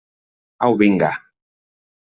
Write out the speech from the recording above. Au, vinga!